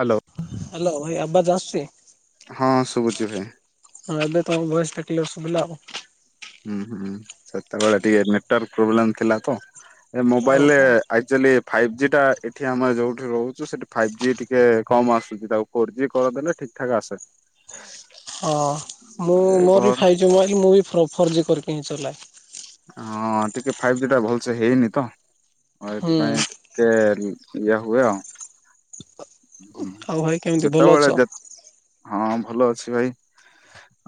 Hello hello ଭାଇ ଆବାଜ ଆସୁଛି। ହଁ ଶୁଭୁଛି ଭାଇ ହଁ ଏବେ ତମ ଭ‌ଏସ୍ ଟା କ୍ଲିୟର୍ ଶୁଭିଲା। ହୁଁ-ହୁଁ ସେତେବେଳେ ଟିକେ ନେଟୱାର୍କ ପ୍ରୋବ୍ଲେମ ଥିଲା ତ ଏ ଓହୋ। ମୋବାଇଲରେ ଆକ୍ଚୁଆଲି ଫାଇଭ୍ ଜି ଟା ଏଠି ଆମେ ଯଉଠି ରହୁଛୁ ସେଠି ଫାଇଭ୍ ଜି ଟିକେ କମ ଆସୁଛି ତାକୁ ଫୋର୍ ଜି କରିଦେଲେ ଠିକ୍ ଠାକ ଆସେ। ହଁ ମୁଁ ଏ ମୋର ବି ଘର ଫାଇଭ୍ ଜି ମି ମୁଁ ବି ଫୋର୍ ଜି କରିକି ହିଁ ଚଲାଏ। ହଁ ଟିକେ ଫାଇଭ୍ ଜି ଟା ଭଲସେ ହେଇନି ତ ଆ ହୁଁ ଏଥିପାଇଁ। ଟିକେ ଇଏ ହୁଏ ଆଉ। ହୁଁ ଆଉ ଭାଇ କେମିତି ଭଲ ଅଛ? ଯେତେବେଳେ ଯେତ ହଁ ଭଲ ଅଛି ଭାଇ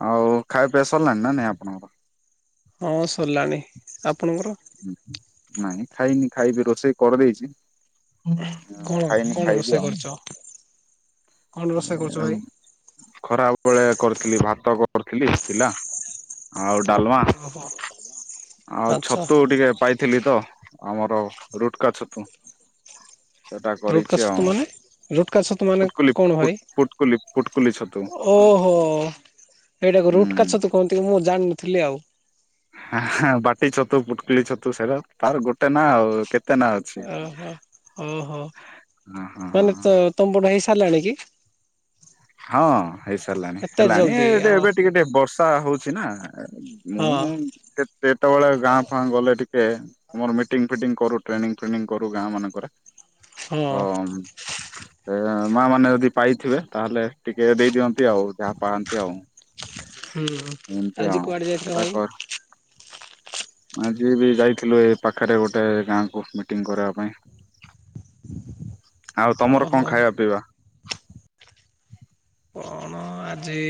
ଆଉ ଖାଇବା ପିଇବା ସରିଲାଣି ନା ନାଇଁ ଆପଣଙ୍କର। ହଁ ସରିଲାଣି ଆପଣଙ୍କର। ହୁଁ ନାଇଁ ଖାଇନି ଖାଇବି ରୋଷେଇ କରିଦେଇଛି। ନାଁଇ, କଣ ଖାଇନି କଣ ଖାଇବି ରୋଷେଇ ଆଉ କରିଛ? କଣ ରୋଷେଇ କରୁଛ ଭାଇ? ଖରାପ ବେଳେ କରିଥିଲି ଭାତ କରିଥିଲି ଥିଲା ଆଉ ଡାଲମା। ହ [unintelligible] ଆଉ ଛତୁ ଟିକେ ପାଇଥିଲି ତ ଆମର ରୁଟକା ଛତୁ। ସେଟା ରୁଟକା କରିଛି ଆଉ ଛତୁ ମାନେ? ରୁଟକା ଛତୁ ମାନେ ଫୁଟକୁଲି କଣ ଭାଇ? ଫୁଟକୁଲି ଫୁଟକୁଲି ଛତୁ। ଓହୋ ଏଇଟାକୁ ହୁଁ ରୁଟକାଛତୁ କୁହନ୍ତି କି ମୁଁ ଜାଣିନଥିଲି ଆଉ। ହ ବାଟି ଛତୁ ପୁଟକିଲ ଛତୁ ସେଇଟା ତାର ଗୋଟେ ନା ଆଉ କେତେ। ନା ଅଛି ଓହୋ ଓହୋ ହଁ ହଁ ମାନେ ତ ତମ୍ବୁଡା ହେଇ ସାରିଲାଣି କି। ହଁ ହେଇସାରିଲାଣି ଏତେ ହେଲାଣି ଏ ଜଲଦି ଏବେ ଅ ଟିକେ ଟିକେ ବର୍ଷା ହଉଛି ନା। ହଁ। ମୁଁ କେତେବେଳେ ଗାଁ ଫାଁ ଗଲେ ଟିକେ। ଆମର ମିଟିଙ୍ଗ ଫିଟିଙ୍ଗ କରୁ ଟ୍ରେନିଙ୍ଗ ଫ୍ରେନିଙ୍ଗି କରୁ ଗାଁ ମାନଙ୍କରେ। ହଁ, ଏ ମା ମାନେ ଯଦି ପାଇଥିବେ ତାହେଲେ ଟିକେ ଦେଇ ଦିଅନ୍ତି ଆଉ ଯାହା, ପାଆନ୍ତି ଆଉ। ହୁଁ ଏମିତି ଆଜି ଆଉ କୁଆଡେ ଯାଇଥିଲ ଭାଇ? ସେଟା କର। ଆଜି ବି ଯାଇଥିଲୁ ଏ ପାଖରେ ଗୋଟେ ଗାଁକୁ ମିଟିଂ କରିବା ପାଇଁ। ଆଉ ତମର ଓହୋ କଣ ଖାଇବା ପିଇବା। କଣ ଆଜି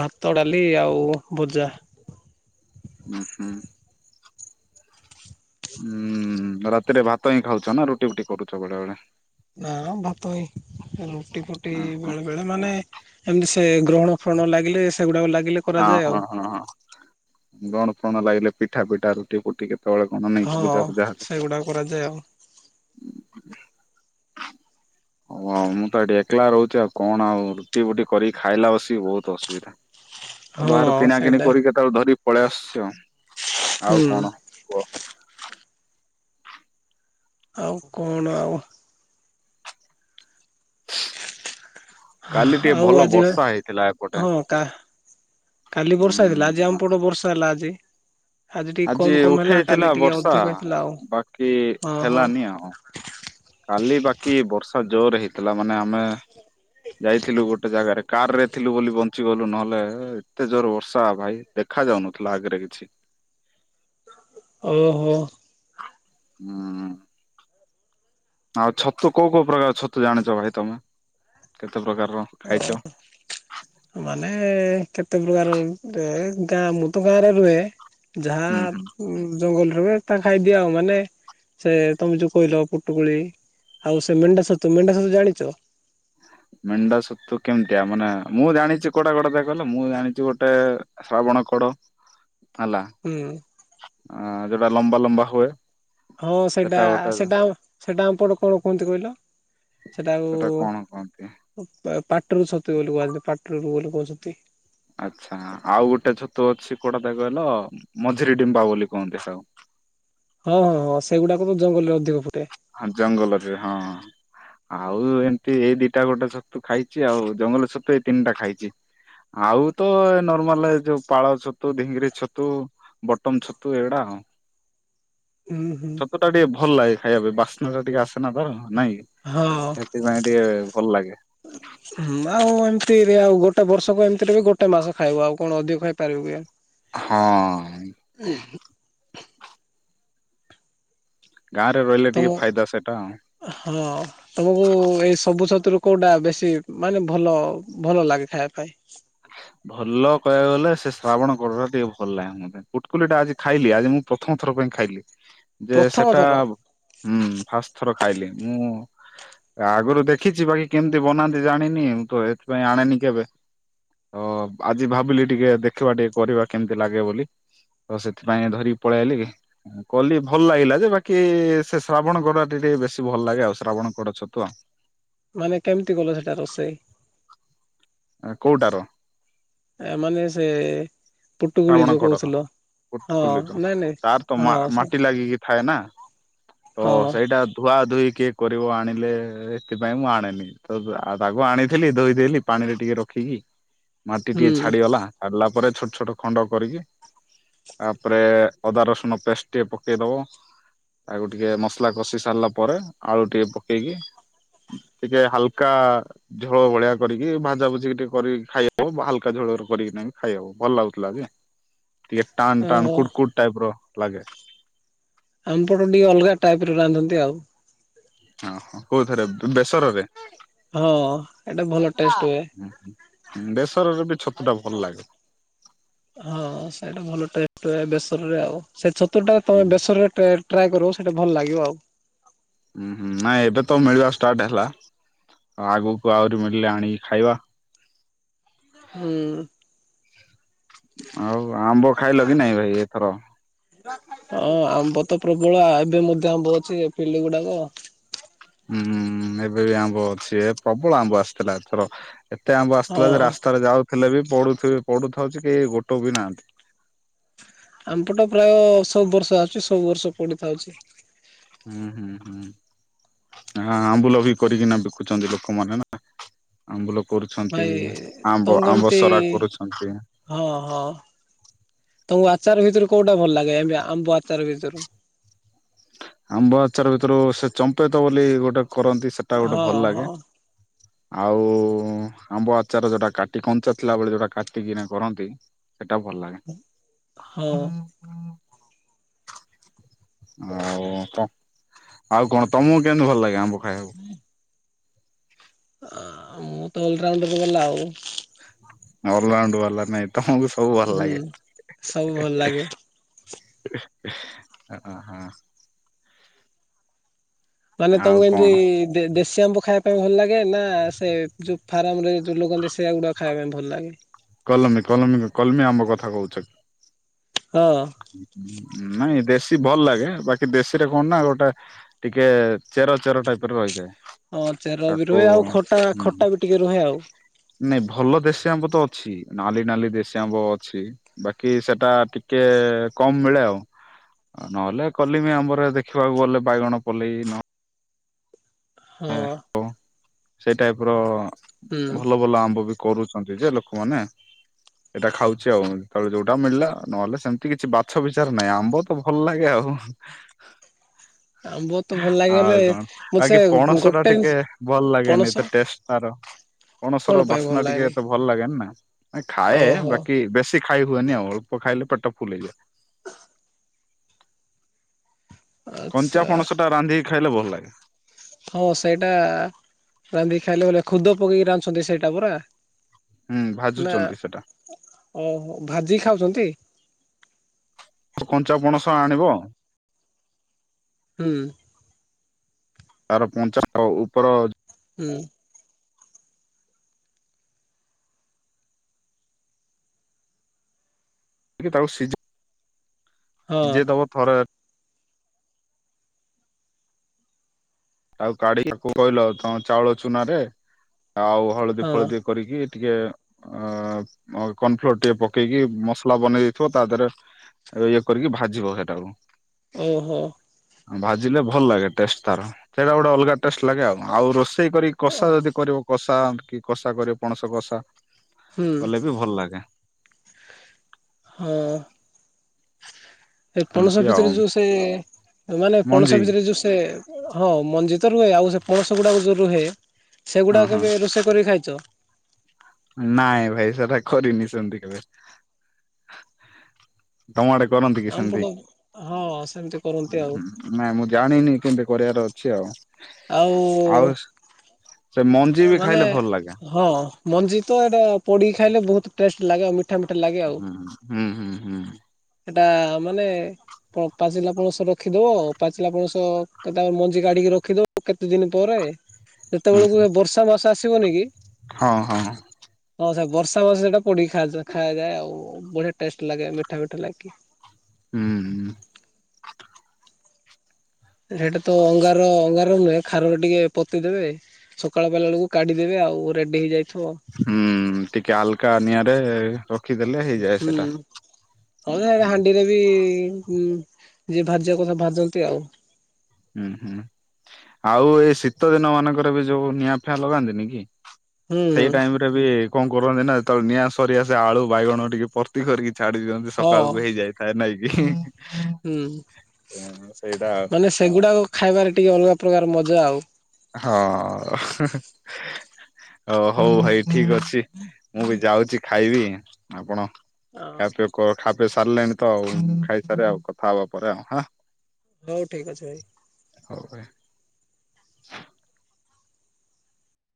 ଭାତ, ଡାଲି, ଆଉ ଭଜା। ହଁ ହୁଁ। ହୁଁ ରାତିରେ ଭାତ ହିଁ ଖାଉଛ ନା ରୁଟି ଫୁଟି କରୁଛ ବେଳେ ବେଳେ ନା ଭାତ ହ ରୁଟି ଫୁଟି ଓହୋ ବେଳେ ବେଳେ ମାନେ ଏମତି ସେ ଗ୍ରହଣ ଫ୍ରରଣ ଲାଗିଲେ ସେଗୁଡାକ ଲାଗିଲେ ହଁ କରାଯାଏ ଆଉ। ହଁ ହଁ ହଁ ଗଣ ଫଣ ଲାଗିଲେ ପିଠା ପିଠା ରୁଟି କୁଟି କେତେ କେତେବେଳେ କଣ ନେଇକି ହଁ ବୁଜା ଫୂଜା ହେଲା ସେଗୁଡାକ କରାଯାଏ ଆଉ ହ ମୁଁ ତ ଏଠି ଏକଲା ରହୁଛି ଆଉ କଣ ଆଉ ରୁଟି ବୁଟି କରିକି ଖାଇଲା ବସିକି ବହୁତ ଅସୁବିଧା ଆଉ ବାହାରୁ ହଁ କିଣା କିିଣି ସେଇଟା କରିକି କେତେଳେ ଧରିିକି ପଳେଇ ଆସୁଛି ହୁଁ। ଆଉ କଣ କୁହ? ଆଉ କଣ ଆଉ କାଲି ଟିକେ ଆଉ ଭଲ ଆଜି ଭ ବର୍ଷା ହେଇଥିଲା ଏପଟେ ହଁ କା କାଲି ବର୍ଷା ହେଇଥିଲା ଆଜି ହୁଁ। ଆମପଟ ବର୍ଷା ହେଲା ଆଜି ଆଜି ଟିକେ କମ କମ ହେଲା ଉଠେଇଥିଲା କାଲି ଟିକେ ବର୍ଷା ଅଧିକ ହେଇଥିଲା ଆଉ ବାକି ହଁ ହଁ ହେଲାନି ଆଉ। କାଲି ବାକି ବର୍ଷା ଜୋର ହେଇଥିଲା ମାନେ ଆମେ ଯାଇଥିଲୁ ଗୋଟେ ଜାଗାରେ କାର ରେ ଥିଲୁ ବୋଲି ବଞ୍ଚିଗଲୁ ନହେଲେ ଏତେ ଜୋର ବର୍ଷା ଭାଇ ଦେଖା ଯାଉନଥିଲା ଆଗରେ କିଛି ଠିକ ଓହୋ ହୁଁ ଆଉ ଛତୁ କୋଉ କୋଉ ପ୍ରକାର ଛତୁ ଜାଣିଛ ଭାଇ ତମେ କେତେ ପ୍ରକାରର ଖାଇଛ? ମାନେ କେତେ ପ୍ରକାର ଗାଁ ମୁଁ ତ ଗାଁ ରେ ରୁହେ ଯାହା ହୁଁ ହୁଁ ଜଙ୍ଗଲରହେ ତା ଖାଇଦିଆ ଆଉ ମାନେ ସେ ତମେ ଯୋଉ କହିଲ ଟୁଗୁଳି ଆଉ ସେ ମେଣ୍ଢା ସ ତୁ ସେ ମେଣ୍ଢା ସତୁ ଜାଣିଛ ମେଣ୍ଣ୍ଡା ସତୁ କେମିତିଆ ମାନେ ମୁଁ ଜାଣିଛି କୋଡା କୋଡା କହିଲ ମୁଁ ଜାଣିଛି ଗୋଟେ ଶ୍ରାବଣ କଡ ହେଲା ହୁଁ ଅ ଯଉଟା ଲମ୍ବା ଲମ୍ବା ହୁଏ ହଁ ସେଇଟା ସେଟା ଗୋଟେ ସେଟା ସେଟା ଆମପଟ କଣ କୁହନ୍ତି କହିଲ? ସେଟା କଣ କହନ୍ତି? ସେଟାକୁ ପାଟରୁ ଛତ ବୋଲି କୁହାନ୍ତି ପାଟରୁରୁ ବୋଲି କହୁଛନ୍ତି। ଆଚ୍ଛା ଆଉ ଗୋଟେ ଛତୁ ଅଛି କୋଉଟା କହିଲ ମଝିରି ଡିମ୍ବା ବୋଲି କହନ୍ତି ତାକୁ। ହଁ ହଁ ହଁ ସେଗୁଡାକ ତ ଜଙ୍ଗଲରେ ଅଧିକ ଫୁଟେ। ହ ଜଙ୍ଗଲରେ ହଁ। ଆଉ ଏମିତି ଏଇ ଦିଟା ଗୋଟେ ଛତୁ ଖାଇଛି ଆଉ ଜଙ୍ଗଲ ଛତୁ ଏଇ ତିନିଟା ଖାଇଛି। ଆଉ ତ ନର୍ମାଲ ଯୋଉ ପାଳ ଛତୁ ଡିଙ୍ଗିରି ଛତୁ ବଟମ ଛତୁ ଏଇ ଗୁଡା ଆଉ। ହୁଁ ହୁଁ। ଛତୁ ଟିକେ ଭଲ ଲାଗେ ଖାଇବା ପାଇଁ ବାସ୍ନା ଟା ଟିକେ ଆସେ ନା ତାର ନାଇଁ କି। ହଁ। ସେଥିପାଇଁ ଟିକେ ଭଲ ଲାଗେ। ହୁଁ। ହୁଁ ଆଉ ଏମିତିରେ ଆଉ ଗୋଟେ ବର୍ଷକୁ ଏମିତିରେ ବି ଗୋଟେ ମାସ ଖାଇବ ଆଉ କଣ ଅଧିକ ଖାଇପାରିବୁ କି। ହଁ। ହ ଗାଁରେ ରହିଲେ ଟିକେଏ ତମ ଫାଇଦା ସେଇଟା ଆଉ। ହଁ। ତମକୁ ଏଇ ସବୁ ଛତରୁ କୋଉଟା ବେଶୀ ମାନେ ଭଲ ଭଲ ଲାଗେ ଖାଇବା ପାଇଁ? ଭଲ କହିବାକୁ ଗଲେ ସେ ଶ୍ରାବଣ କରା ଟିକେ ଭଲ ଲାଗେ ମ କୁଟକୁଲି ଟା ଆଜି ଖାଇଲି ଆଜି ମୁଁ ପ୍ରଥମ ଥର ପାଇଁ ଖାଇଲି। ଯେ ପ୍ରଥମ ସେଟା ଥର ହୁଁ ଫାଷ୍ଟ ଥର ଖାଇଲି। ମୁଁ ଆଗରୁ ଦେଖିଛି ବାକି କେମିତି ବନାନ୍ତି ଜାଣିନି ମୁଁ ତ ଏଥିପାଇଁ ଆଣେନି କେବେ। ତ ଆଜି ଭାବିଲି ଟିକେ ଦେଖିବା ଟିକେ କରିବା କେମିତି ଲାଗେ ବୋଲି। ତ ସେଥିପାଇଁ ଧରିକି ପଳେଇ ଆଇଲି। କଲି ଭଲ ଲାଗିଲା ଯେ ବାକି ସେ ଶ୍ରାବଣ ଗଡ ଟେ ଟିକେ ବେଶୀ ଭଲ ଲାଗେ ଆଉ ଶ୍ରାବଣ ଗଡ ଛତୁ ଆଉ। ମାନେ କେମିତି କଲ ସେଇଟା ରୋଷେଇ? କୋଉଟାର? ଏମାନେ ସେ ପୁଟୁଗୁଳି ଶ୍ରାବଣ ଯୋଉ କଡର କହୁଥିଲ ହଁ କଲି ନାଇଁ ନାଇଁ ତାର ତ ହଁ ସେଇଟା ମାଟି ଲାଗିକି ଥାଏ ନା ତ ହଁ ସେଇଟା ଧୁଆ ଧୁଇ କିଏ କରିବ ଆଣିଲେ ସେଥିପାଇଁ ମୁଁ ଆଣେନି। ତ ତାକୁ ଆଣିଥିଲି ଧୋଇଦେଲି ପାଣିରେ ଟିକେ ରଖିକି। ମାଟି ଟିକେ ହୁଁ। ଛାଡିଗଲା ଛାଡିଲା ପରେ ଛୋଟ ଛୋଟ ଖଣ୍ଡ କରିକି ତାପରେ ଅଦା ରସୁନ ପେଷ୍ଟ ଟିକେ ପକେଇ ଦବ। ତାକୁ ଟିକେ ମସଲା କଷି ସାରିଲା ପରେ ଆଳୁ ଟିକେ ପକେଇକି ଟିକେ ହାଲକା ଝୋଳ ଭଳିଆ କରିକି ଭାଜା ଭୁଜିିକି ଟିକେ କରିକି ଖାଇ ହବ ହାଲକା ଝୋଳ କରିକି ଖାଇହବ ଭଲ ଲାଗୁଚି। ଲାଗେ। ଟିକେ ଟାନ୍ ଟାନ୍ ଓହୋ କୁଡ୍ କୁଡ୍ ଟାଇପ୍ ର ଲାଗେ। ଆମ ପଟେ ଟିକେ ଅଲଗା ଟାଇପ୍ ର ରାନ୍ଧନ୍ତି ଆଉ। ଓ ହୋ କୋଉ ଥରେ ବେସର ରେ? ହଁ ଏଇଟା ଭଲ ଟେଷ୍ଟ ହୁଏ। ହଁ ଦେଶରରେ ବି ଛତୁ ଟା ଭଲ ଲାଗେ। ହଁ ସେଇଟା ଭଲ ଟେଷ୍ଟ ବେସରରେ ଆଉ। ସେଇ ଛତୁଟା ତମେ ବେସରରେ ଟ ଟ୍ରାଏ କରିବ ସେଇଟା ଭଲ ଲାଗିବ ଆଉ। ହୁଁ ହୁଁ। ନାଇଁ ଏବେ ତ ମିଳିବା ଷ୍ଟାର୍ଟ ହେଲା, ଆଗକୁ ଆହୁରି ମିଳିଲେ ଆଣିକି ଖାଇବା। ହୁଁ। ଆଉ ଆମ୍ବ ଖାଇଲ କି ନାଇଁ ଭାଇ ଏଥର। ହଁ ଆମ୍ବ ତ ପ୍ରବଳ ଆ ଏବେ ମଧ୍ୟ ଆମ୍ବ ଅଛି ଫିଲ୍ଡ ଗୁଡାକ। ହୁଁ ଏବେ ବି ଆମ୍ବ ଅଛି ଏ ପ୍ରବଳ ଆମ୍ବ ଆସିଥିଲା ଏଥର। ଏତେ ଆମ୍ବ ଆସିଥିଲା ଯେ ହଁ ରାସ୍ତାରେ ଯାଉଥିଲେ ବି ପଡୁଥିବ ପଡୁଥାଉଛି କେହି ଗୋଟୋଉ ବି ନାହାନ୍ତି। ଆମ ପଟେ ପ୍ରାୟ ସବୁ ବର୍ଷ ଆସୁଚି ସବୁ ବର୍ଷ ପଡିଥାଉଛି। ହୁଁ ହୁଁ ହୁଁ। ଏଁ ଆଁ ଆମ୍ବୁଲ ବି କରିକିନା ବିକୁଛନ୍ତି ଲୋକମାନେ ନା। ଆମ୍ବୁଲ କରୁଛନ୍ତି ଭାଇ ଆମ୍ବ ତମକୁ ଏମିତି ଆମ୍ବସରା କରୁଛନ୍ତି। ହଁ ହଁ ତମୁକୁ ଆଚାର ଭିତୁରୁ କୋଉଟା ଭଲ ଲାଗେ ଏମତି ଆମ୍ବ ଆଚାର ଭିତୁରୁ। ଆମ୍ବ ଆଚାର ଭିତୁରୁ ସେ ଚମ୍ପେଇତେ ବୋଲି ଗୋଟେ କରନ୍ତି ସେଟା ଗୋଟେ ହଁ ଭଲ ହଁ ଲାଗେ। ଆଉ ଉଁ ଆମ୍ବ ଆଚାର ଯୋଉଟା କାଟି କଞ୍ଚା ଥିଲାବେଳେ ଯୋଉଟା କାଟିକିନା କରନ୍ତି ସେଟା ଭଲ ଲାଗେ ହଁ ହୁଁ। ଆଉ କଁ ଆଉ କଣ ତମୁକୁ କେନ୍ତି ଭଲ ଲାଗେ ଆମ୍ବ ଖାଇଆକୁ। ହୁଁ ଆ ମୁଁ ତ ଅଲରାଉଣ୍ଡର ବାଲା ଆଉ। ଅଲରାଉଣ୍ଡ ବାଲା ନାଇଁ ତମୁକୁ ସବୁ ଭଲ ହୁଁ ସବୁ ଭଲ ଲାଗେ। ଲାଗେ। ଓ ଅ ହଁ। ତାହେଲେ ଆଉ ତମୁକୁ ଏମତି କଣ ଦେ ଦେ ଶୀ ଆମ୍ବ ଖାଇଆ ପାଇଁ ଭଲ ଲାଗେ ନା ସେ ଯୋଉ ଫାର୍ମାରେ ଯୋଉ ଲଗାନ୍ତି ସେଗୁଡା ଖାଇଆ ପାଇଁ ଭଲ ଲାଗେ। କଲମୀ କଲମୀ କ କଲମୀ ଆମ୍ବ କଥା କହୁଛ। ହଁ। ଉଁ ଉଁ ନାଇଁ ଦେଶୀ ଭଲ ଲାଗେ ବାକି ଦେଶୀରେ କଣ ନା ଗୋଟାଏ ଟିକେ ଚେର ଚେର ଟାଇପର ରହିଯାଏ। ହଁ ଚେର ବି ରୁହେ ଆଉ ଖଟା ଖଟା ବି ଟିକେ ରୁହେ ଆଉ। ନାଇଁ ଭଲ ଦେଶୀ ଆମ୍ବ ତ ଅଛି ନାଲି ନାଲି ଦେଶୀ ଆମ୍ବ ଅଛି। ବାକି ସେଟା ଟିକେ ଏ କମ୍ ମିଳେ ଆଉ ଆଉ ନହେଲେ କଲିମୀ ଆମ୍ବରେ ଦେଖିବାକୁ ଗଲେ ବାଇଗଣ ପୋଲେଇ ନ ହଁ। ସେଇ ଟାଇପର ହୁଁ। ଭଲ ଭଲ ଆମ୍ବ ବି କରୁଛନ୍ତି ଯେ ଲୋକମାନେ। ଏଇଟା ଖାଉଛି ଆଉ ଯେତବେଳେ ଯୋଉଟା ମିଳିଲା ନହେଲେ ସେମିତି କିଛି ବାଛ ବିଚାର ନାହିଁ ଆମ୍ବ ତ ଭଲ ଲାଗେ ଆଉ ହୁଁ। ଆମ୍ବ ତ ଭଲ ଲାଗେ ହେଲେ ଆଉ କଣ ଆଉ ମତେ ସେ ବାକି ପଣସଟା ଗୋଟେ ଜିନିଷ ଟିକେ ଭଲ ଲାଗେନି ପଣସ ଏତେ ଟେଷ୍ଟ ତାର। କଣ ପଣସର ପାଇଁ ଭଲ ବାସ୍ନା ଟିକେ ଲାଗେନି? ଏତେ ଭଲ ଲାଗେନି ନା ନାଇଁ ଖାଏ ଓହୋ ବାକି ବେଶ୍ ତି ଖାଇ ହୁଏନି ଆଉ ଅଳ୍ପ ଖାଇଲେ ପେଟ ଫୁଲ୍ ହେଇଯାଏ। କଞ୍ଚା ଆଚ୍ଛା ପଣସଟା ରାନ୍ଧିକି ଖାଇଲେ ଭଲ ଲାଗେ। ହଁ ସେଇଟା ରାନ୍ଧିକି ଖାଇଲେ ବୋଲେ ଖୁଦ ପକେଇକି ରାନ୍ଧୁଛନ୍ତି ସେଇଟା ପୁରା। ହୁଁ ଭାଜୁଚନ୍ତି ସେଟା। ଓହୋ ଭାଜିକି ଖାଉଚନ୍ତି। କଞ୍ଚା ପଣସ ଆଣିବ। ହୁଁ। ତାର କଞ୍ଚା ତାର ଉପର ହୁଁ। ଇକି ତାକୁ ସିଜେ ହଁ ସିଜେଇ ଦବ ଥରେ। ଆଉ କାଢି ତାକୁ କହିଲ ତମ ଚାଉଳ ଚୁନା ରେ ଆଉ ହଳଦୀ ହଁ ଫଳଦୀ କରିକି ଟିକେ ଅ କର୍ଣ ଫ୍ଲୋର ଟିକେ ପକେଇକି ମସଲା ବନେଇ ଦେଇେଇଥିବ ତା ଦେହରେ ଇଏ କରିକି ଭାଜିବ ସେଇଟାକୁୁ ଓହୋ ଭାଜିଲେ ଭଲ ଲାଗେ ଟେଷ୍ଟ ତାର ସେଟା ଗୋଟେ ଅଲଗା ଟେଷ୍ଟ ଲାଗେ ଆଉ ଆଉ ରୋଷେଇ କରି କଷା ଯଦି କରିବ କଷା କି କଷା କରିବ ପଣସ କଷା ହୁଁ କଲେ ବି ଭଲ ଲାଗେ। ହଁ ଏ ପଣସ ଏମିତି ଆଉ ଭିତରେ ଯୋଉ ସେ ମାନେ ପଣସ ମଞ୍ଜି ଭିତରେ ଯୋଉ ସେ ହଁ ମଞ୍ଜିିତ ରୁହେ ଆଉ ସେ ପଣସ ଗୁଡାକ ଯୋଉ ରୁହେ ହଁ ହଁ ସେଗୁଡାକ ବି ରୋଷେଇ କରିକି ଖାଇଛ। ନାଇଁ ଭାଇ ସେଟା କରିନି ସେମିତି କେବେ। ତମ ଆଡେ କରନ୍ତି କି ଆମ ପଟ ସେମତି। ହଁ ସେମିତି କରନ୍ତି ଆଉ ନାଇଁ ମୁଁ ଜାଣିନି କେମିତି କରିବାର ଅଛି ଆଉ। ଆଉ। ଆଉ ସେ ମଞ୍ଜି ବି ମାନେ ଖାଇଲେ ଭଲ ଲାଗେ। ହଁ। ମଞ୍ଜି ତ ଏଇଟା ପୋଡ଼ିି ଖାଇଲେ ବହୁତ ଟେଷ୍ଟ ଲାଗେ ଆଉ ମିଠା ମିଠା ଲାଗେ ଆଉ। ହୁଁ ହୁଁ ହୁଁ ହୁଁ। ସେଟା ମାନେ ପାଚିଲା ପଣସ ରଖିଦବ ପାଚିଲା ପଣସ କେତେଳେ ମଞ୍ଜି କାଢିକି ରଖିଦବ। କେତେ ଦିନ ପରେ ହୁଁ ଯେତେବେଳକୁ ବର୍ଷା ମାସ ଆସିବନି କି, ହଁ ହଁ ହଁ ସେ ବର୍ଷା ମାସ ଟା ପୋଡି ଖାୟାଯାଏ ଆଉ ବଢିଆ ଟେଷ୍ଟ ଲାଗେ ମିଠା ମିଠା ଲାଗେ। [inaudible] ହୁଁ ହୁଁ। ସେଇଟା ତ ଅଙ୍ଗାର ଅଙ୍ଗାର ନୁହେଁ ଖାରରେ ଟିକେ ପୋତି ଦେବେ। ସକାଳ ବେଲା ବେଳକୁ କାଢିଦେବେ ଆଉ ରେଡି ହେଇଯାଇଥିବ। ହୁଁ ଟିକେ ଆଲକା ନିଆଁରେ ରଖିଦେଲେ ହେଇଯାଏ ହୁଁ ସେଟା। ହଉ ଏବେ ହୁଁ ହାଣ୍ଡିରେ ବି ଯେ ଭାଜିବା କଥା ଭାଜନ୍ତି ଆଉ। ହୁଁ ହୁଁ ଆଉ ଏଇ ଶୀତ ଦିନ ମାନଙ୍କରେ ବି ଯୋଉ ନିଆଁ ଫିଆଁ ଲଗାନ୍ତିନି କି। ହୁଁ ସେଇ ଟାଇମ ରେ ବି କଣ କରନ୍ତି ନା ଯେତେବେଳେ ନିଆଁ ସରିଆ ସେ ଆଳୁ ବାଇଗଣ ଟିକେ ପ ତି କରିକି ଛାଡି ଦିଛନ୍ତି ହଁ ସକାଳୁ ହେଇ ଯାଇଥାଏ ନାଇଁ କି। ହୁଁ ସେଇଟା ମାନେ ସେଗୁଡାକ ଖାଇବାରେ ଟିକେ ଅଲଗା ପ୍ରକାର ମଜା ଆଉ। ହଁ ଓ ହଉ ଭାଇ। ଠିକ ଅଛି ମୁଁ ବି ଯାଉଛି ଖାଇବି ଆପଣ ହଁ ଖା ପି ଖାପେ ସାରିଲେଣିି ତ ଆଉ ଖାଇସାରେବଆଉ କଥା ହବା ପରେ ଆଉ। ହଁ। ହଉ ଠିକ୍ ଅଛି ଭାଇ। ହଉ ଭାଇ। [unintelligible]